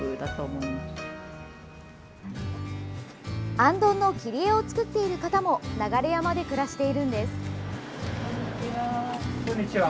行灯の切り絵を作っている方も流山で暮らしているんです。